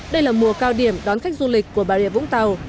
đây là mùa cao điểm đón khách du lịch của bà rịa vũng tàu